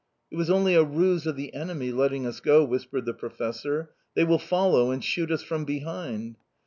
"It was only a ruse of the enemy, letting us go," whispered the Professor. "They will follow and shoot us from behind!"